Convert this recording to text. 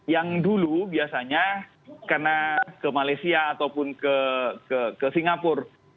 yang dulu biasanya karena ke malaysia ataupun ke singapura